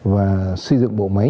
và xây dựng bộ máy